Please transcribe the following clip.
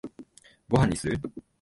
ご飯にする？